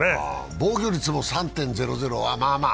防御率も３．００、まあまあ。